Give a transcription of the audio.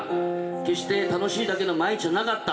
決して楽しいだけの毎日じゃなかった。